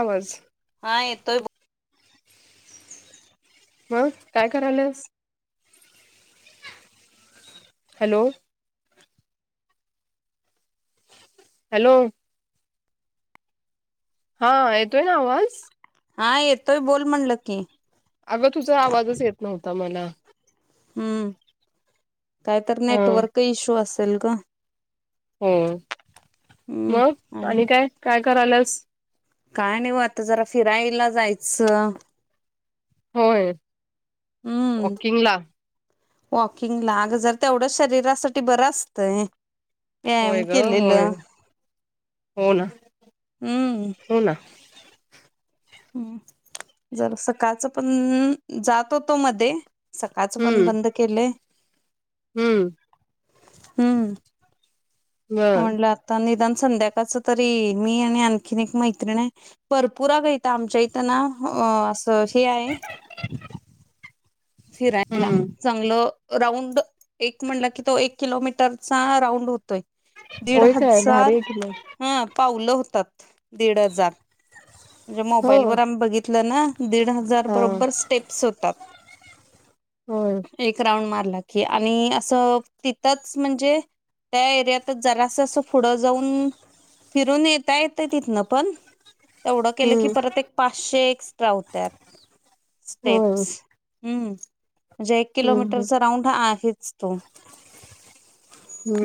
आवाज हा येतोय मग काय करायलास? हॅलो हॅलो हा येतोय ना आवाज? हा येतोय बोल म्हणलं की. अगं तुझा आवाजच येत नव्हता मला. हम्म कायतर हा नेटवर्क इश्यू असेल गं. हम्. हम्म आणि काय करायलास काय नाही हो आता जरा फिरायला जायचं. होय वॉकिंग ला. वॉकिंग ला अग जर तेवढं शरीरासाठी बरं असतंय. होय काम ग होय केलेलं हो ना हम्म हो ना. हम् जर सकाळचं पण जात होतो मध्ये सकाळच पण हम्म बंद केलंय. हम्म. हम्म. बर म्हटलं आता निदान संध्याकाळचं तरी. मी आणि आणखीन एक मैत्रीिण आहे. भरपूर आगं इथं आमच्या इथं ना असं हे आहे. ह [inaudible] फिरायला चांगलं राऊंड एक म्हणलं की तो एक किलोमीटरचा राऊंड होतोय. दीड होय काय भारी हजार आहे की मग हं पावलं होतात, दीड हजार. म्हणजे हो मोबाईलवर आम्ही बघितलं ना दीड हजार हा बरोबर स्टेप्स होतात. होय एक राऊंड मारला की आणि असं तितंच म्हणजे त्या एरियातच जरासं असं फु ढं जाऊन फिरून येता येतं तिथनं पण. तेवढं केलं की हम्म परत एक पाचशे एक्स्ट्रा होत्यात होय स्टेप्स. हम्म, म्हणजे एक हम्म किलोमीटरचा राऊंड आहेच तो.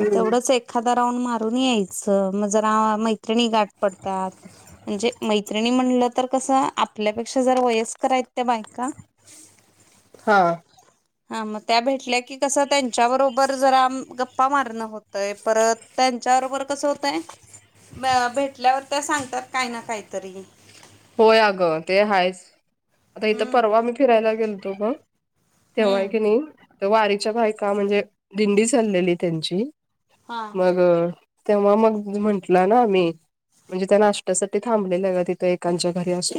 मग तेवढंच एक एखादा राऊंड मारून यायचं, मग जरा मैत्रिणी गाठ पडतात म्हणजे मैत्रिणी म्हणलं तर कसं आपल्यापेक्षा जर वयस्कर हा य त्या बायका हा. हा मग त्या भेटल्या की कसं त्यांच्या बरोबर जरा गप्पा मारणं होतंय परत त्यांच्या बरोबर कसं होतंय भेटल्यावर त्या सांगतात काही ना काहीतरी. होय आगं ते हायच, आता इथं हम्म परवा मी फिरायला गेलतो ग तेव्हा आहे हम्म की नाही तर वारीच्या बायका म्हणजे दिंडी चाललेली त्यांची हा मग तेव्हा मग म्हंटलं ना आम्ही म्हणजे त्या नाश्त्यासाठी थांबलेल्या ग तिथं एक त्यांच्या घरी अस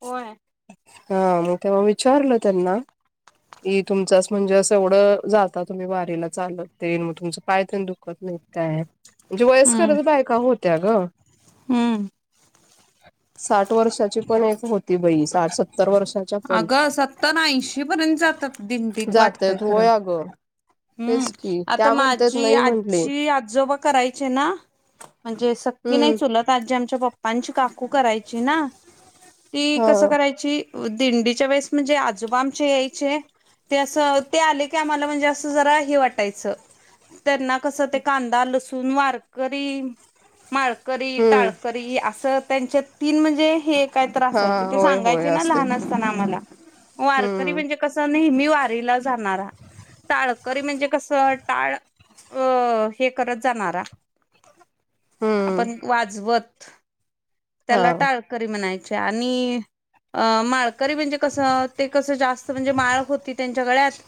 व हा मग तेव्हा विचारलं त्यांना की तुमचच म्हणजे अस एवढं जाता तुम्ही वारीला चालत तेन मग तुमचे पाय तेन दुखत नाहीत काय म्हणजे हम्म वयस्करच बायका होत्या गं हम्म. साठ वर्षाची पण एक होती बाई साठ स अगं सत्तर ऐंशी पर्यंत जातात दिंडीत जात्यात वाटतंय होय खरं अगं हम्म तेच की आता त्या म्हणतात माझी नाही म्हंटले आजची आजोबा कराय ना म्हणजे स नाही हम्म चुलत आजी आमच्या पप्पांची काकू करायची ना ती हा कसं करायची दिंडीच्या वेळेस म्हणजे आजोबामच्या यायचे ते असं ते आले की आम्हाला म्हणजे अस जरा हे वाटायच त्यांना कस ते कांदा लसूण वारकरी माळकरी हम्म टाळकरी असं त्यांच्या तीन म्हणजे हे काय तर हा असायची ती होय होय सांगायची ना असते लहान की. असना आम्हाला वारकरी हम्म म्हणजे कस नेहमी वारीला जाणारा टाळकरी म्हणजे कसं टाळ अ.. हे करत जाणारा हम्म आपण वाजवत हा त्याला टाळ करी म्हणायचे आणि अ माळकरी म्हणजे कसं ते कसं जास्त म्हणजे माळ होती त्यांच्या गळ्यात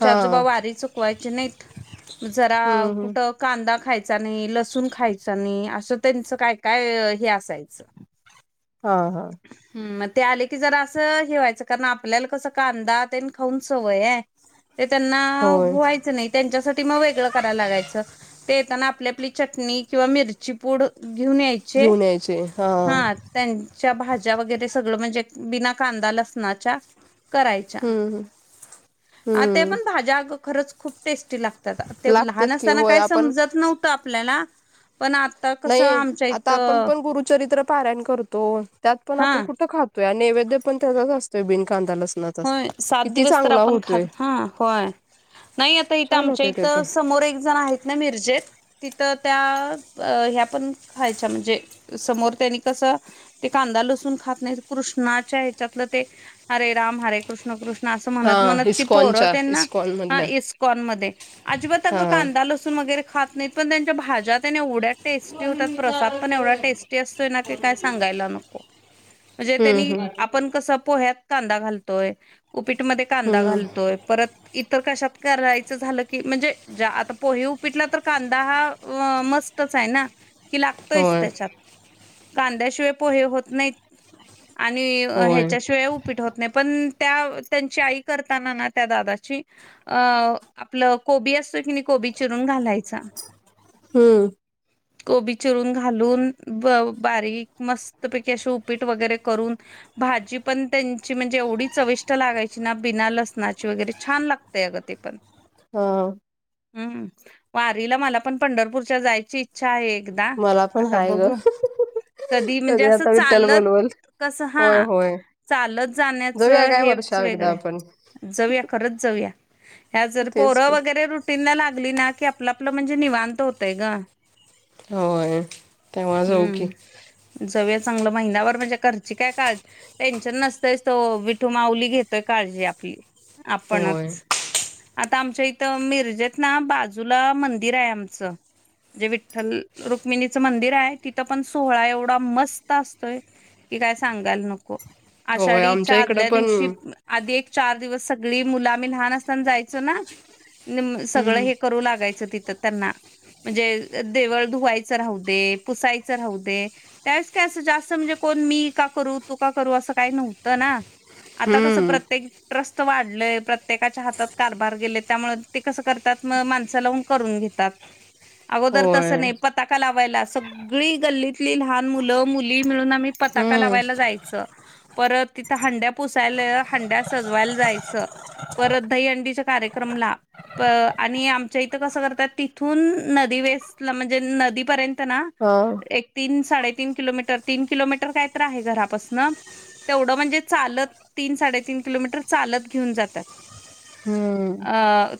आमचे हा आजोबा वारी चुकवायची नाहीत जरा हम्म हम्म कुठं कांदा खायचा नाही लसूण खायचा नाही असं त्यांचं काय काय हे असायचं हा हा हम मग ते आले की जरा असं हेे व्हायचं कारण आपल्याला कस कांदा ते खाऊन सवय हाय ते त्यांना होय [inaudible] नाहीत त्यांच्यासाठी मग वेगळं करायला लागायचं ते येताना आपली आपली चटणी किंवा मिरची पूड घेऊन यायचे घेऊन यायचे हा त्यांच्या भाज्या वगैरे सगळं म्हणजे बिना कांदा लसणाच्या करायच्या हम्म अन ते हम्म पण भाज्या खरंच खूप टेस्टी लागतात ते लागतेत लहान की असताना होय काही आपण समजत नव्हत आपल्याला पण कसं नाही आमच्या आता आपण इथं पण गुरुचरित्र पारायण करतो त्यात पण हा आपण कुठं खातो नैवेद्य पण तेजाच असतोय बिन कांदा लसना होय सात दिवस तर आपण खात हा होय नाही आता इथं छान आमच्या होतोय ते इथं पण समोर एक जण आहेत ना मिर्जेत तिथं त्या ह्या पण खायच्या म्हणजे समोर त्यांनी कसं ते कांदा लसून खात नाहीत कृष्णाच्या ह्याच्यातलं ते हरे राम हरे कृष्ण कृष्ण अस हा म्हणत म्हणत ती पोरं इस्कॉनच्या तेन इस्कॉन हा मधल्या इस्कॉन मध्ये अजिबात हा अगं कांदा लसूण वगैरे खात नाहीत पण त्यांच्या भाज्या त्याने एवढ्या टेस्टी होतात प्रसाद पण एवढा टेस्टी असतोय ना की काय सांगायला नको म्हणजे हम्म त्यांनी हम्म आपण कसं पोह्यात कांदा घालतोय उपीटमध्ये कांदा हम्म घालतोय परत इतर कशात करायचं झालं की म्हणजे म्हणजे आता पोहे उपिटला तर कांदा हा मस्तच आहे ना कि लागतोयच होय त्याच्यात कांद्याशिवाय पोहे होत नाहीत आणि अ होय हेच्या शिवाय उपीट होत नाही पण त्या त्यांची आई करताना ना त्या दादाची अ आपलं कोबी असतोय की नाही कोबी चिरून घालायचा हम्म कोबी चिरून घालून ब बारीक मस्त मस्तपैकी उपीट वगैरे करून भाजी पण त्याची म्हणजे एवढी चविष्ट लागायची ना बिना लसनाची वगैरे छान लागतेय अग ते पण हा हम्म वारीला मला पण पंढरपूरच्या जायची इच्छा आहे ब द मला पण आता हाय ग बगू कधी म्हणजे अस आता विठ्ठल चालत बोलवल कस होय हा होय चालत जा जाऊया काय वर्षा एकदा आपण तेच की व रुटीन लागली ना की आपलं आपलं म्हणजे निवांत होतय ग होय तेव्हा जाऊ की जव चांगलं महिन्याभर म्हणजे घरची काय काळज टेन्शन नसते च तो विठू माउली घेतोय काळजी आपली होय आपणच आता आमच्या इथं मिर्जेत ना बाजूला मंदिर आहे आमचं जे विठ्ठल रुक्मिणीचं मंदिर आहे तिथं पण सोहळा एवढा मस्त असतोय कि काय सांगायला नको होय आषाढीच्या आमच्या इकडं आदल्या पण दिवशी आधी एक चार दिवस सगळी मुलं आम्ही लहान असताना जायचो ना सगळं हम्म हे करू लागायचं तिथं त्यांना म्हणजे देवळ धुवायचं राहू दे पुसायचं राहू दे त्यावेळेस काय असं जास्त म्हणजे कोण मी का करू तू का करू असं काही नव्हतं ना आता कसं हम्म प्रत्येक ट्रस्त वाढलेय प्रत्येकाच्या हातात कारभार गेले त्यामुळे ते कसं करतात मग माणसा लावून करून घेत अगोदर तस होय नाही पताका लावायला सग सगळी गल्लीतली लहान मुलं मुली मिळून आम्ही पताका हम्म लावायला जायच परत तिथं हंड्या पुसायला हंड्या सजवायला जायचं परत दईहंडीच्या कार्यक्रमला प आणि आमच्या इथं कसं करतात तिथून नदी वस म्हणजे नदीपर्यंत ना हा एक तीन साडेतीीन किलोमीटर तीन किलोमीटर कायत आहे घरापासन तेवढं म्हणजे चालत तीन साडेतीीन किलोमीटर चालत घेऊन जातात हम् अ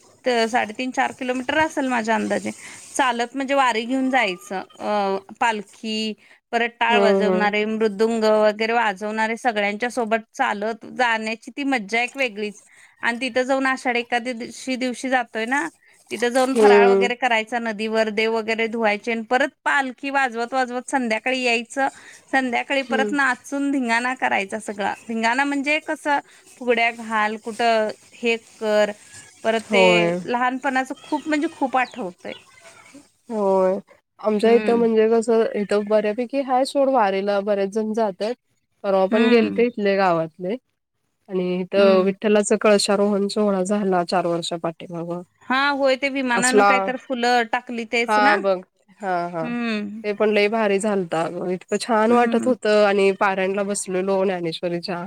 साडेतीीन चार किलोमीटर असेल माझ्या अंदाजे चालत म्हणजे वारी घेऊन जायचं अ पालखी परत टाळ हम्म हम्म वाजवणारे मृदुंग वगैरे वाजवणारे सगळ्यांच्या सोबत चालत जाण्याची ती मज्जा एक वेगळीच आणि तिथं जाऊन आषाढ एखाद्याशी दिवशी जातोय ना तिथं जाऊन फराळ हम्म वगैरे करायचा नदीवर देव वगैरे धुवायचे आणि परत पालखी वाजवत वाजवत संध्याकाळी यायचं संध्याकाळी परत हम्म नाचून धिंगा ना करायचा सगळ िंगाणा म्हणजे कसं फुगड्या घाल कुठं हे कर परत ते होय लहानपणाच खूप म्हणजे खूप आठवतंय हो आमच्या इथं हम्म, म्हणजे कसं इथं बऱ्यापैकी हा सोड वारेला बर्याच जण जातात परव पण गेल हम्म, ते इथले गावातले आणि इथ हम्म. विठ्ठला च कळशारोहण सोहळा झाला चार वर्षा पाटेबाबा हा होय ते विमानानं काहीत फुलं टाकली तेच हा ना बघ हा हा हम्म, ते पण लई भारी झालत इतकं छान वाटत हम्म. होत आणि पाऱ्यांला बसलेलो ज्ञानेश्वरीच्या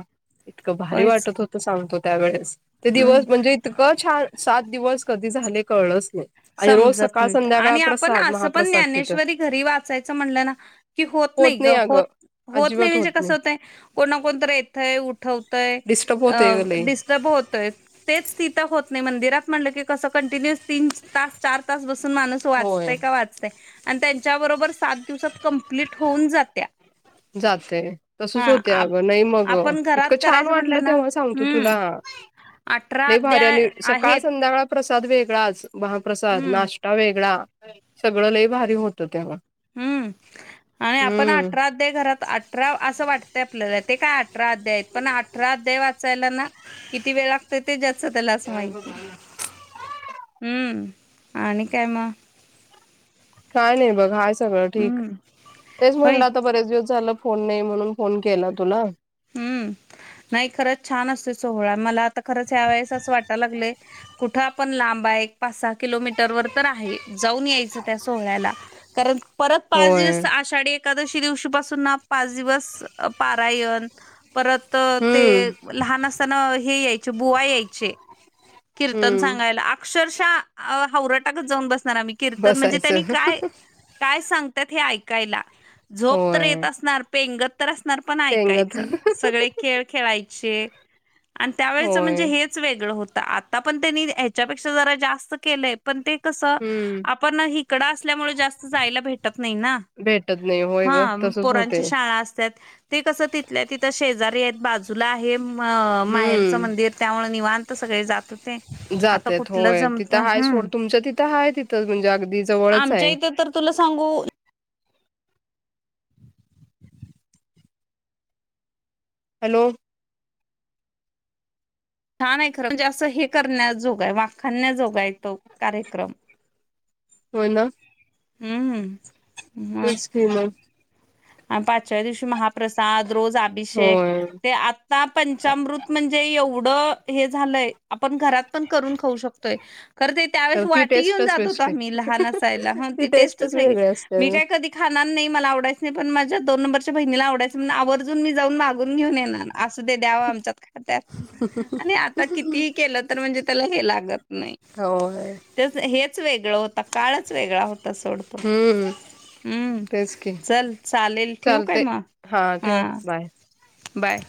इतकं भारी होयच वाटत की. होतं सांगतो त्यावेेळेस ते हम्म. दिवस म्हणजे इतकं छान सात दिवस कधी झाले कळस आणि रोज समजत सकाळ नाहीत संध्याकाळ आणि आपण प्रसाद महा असं पण ज्ञानेश्वरी घरी वाचायच म्हणलं ना की होत नाही ग होत होत नाही म्हणजे कस होतय कोणा कोणत येतय उठवतय डिस्टर्ब होते ग लई तोय तेच तिथं होत नाही मंदिरात म्हट की कस कंटिन्युस तीन चार तास बसून माणूस वाचत होय का वाचते आणि त्यांच्या बरोबर सात दिवसात कंप्लीट होऊन जात्या जाते तसच हां, होते आप अगं नाही मग आपण इतकं घरात छान करायचं वाटलं म्हणलं ना तेव्हा सांगतो तुला हं, ल भारी आणि अध्याय सकाळ आहेत. संध्याका प्र्रसाद वेगळाच महाप्रसाद हं, नाश्ता वेगळा सगळं लय भारी होतं तेव्हा हम्म आणि आपण हम्म अठरा अ घरात अठरा असं वाटत आपल्याला ते काय अठरा अध्याय आहेत पण अठरा अध्याय वाचायला ना किती वेळ लागत ते ज स त्यालाच माहिती हम्म आणि काय मग काय नाही बघ हाय सगळं ठीक हम्म तेच होय म्हणलं आता बरेच दिवस झालं फोन नाही म्हणून फोन केला तुला हम्म नाही खरंच छान असते सोहळा मला आता खरंच ह्या वेळेस असं वाटायला लागले कुठं आपण लांबा एक पाच सहा किलोमीटर वर तर आहे जाऊन यायचं त्या सोहळ्याला कारण परत पाच होय दिवस आषाढी एकादशी दिवशी पासून ना पाच दिवस पारायण परत ते हम्म लहान असताना हे यायचे बुवा यायचे कीर्तन हम्म सांगायला अक्षरशः हवरटा गत जाऊन बसणार आम्ही कीर्तन म्हणजे त्यांनी बसायचं काय - काय सांगतात हे ऐकायला झोप तर होय येत असणार पेंगत तर असणार [unintelligible] पेंगत ऐकायचं सगळे खेळ खेळायचे आणि त्यावेळेच म्हणजे होय हेच वेगळं होतं आता पण त्यांनी ह्याच्यापेक्षा जरा जास्त केलंय पण ते कसं हम्म आपण इकडं असल्यामुळे जास्त जायला भेटत नाही ना भेटत नाही होय हा ग तसच होते पोरांची शाळा अस ते कस तिथल्या तिथ शेजारी आहेत बाजूला आहे म माहेरचं हम्म मंदिर त्यामुळे निवांत सगळे जात होते. आता जात्यात कुठलं होय जमतय तिथं हाय सोड हम्म तुमच्या तिथं हाय तिथं म्हणजे अगदी जवळच आमच्या आहे इथं तर तुला सांगू हॅलो छान आहे खरं म्हणजे असं हे करण्याजोगा आहे वाखानण्याजोगा आहे तो कार्यक्रम होय ना ह हम्म [unintelligible] आ पाचव्या दिवशी महाप्रसाद रोज अभिषेक होय ते आता पंचामृत म्हणजे एवढं हे झालंय आपण घरात पण करून खाऊ शकतोय खर ते त्यावेळेस तर ती वाटी घेऊन टेस्टच जात होत बेस्ट आहे मी लहान असायला ती टेस्टच वेग मी काय कधी खाणार नाही मला आवडायचं नाही पण माझ्या दोन नंबरच्या बहिणीला आवडायचं म्हण आवर्जून मी जाऊन मागून घेऊन येणार ना असू दे द्याव आमच्यात खात्यात आणि आता कितीही केलं तर म्हणजे त्याला हे लागत - होय तेच हेच वेगळं होता काळच वेगळा होता सोड हम्म तेच की चल चालेल ठेवू काय चालतय मग हा ठेव बाय बाय